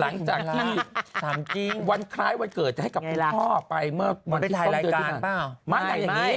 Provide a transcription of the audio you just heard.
หลังจากที่วันท้ายวันเกิดจะให้กับพี่พ่อไปเมื่อพี่ถ่ายรายการมาตั้งอย่างนี้